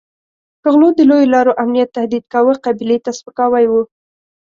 که غلو د لویو لارو امنیت تهدید کاوه قبیلې ته سپکاوی وو.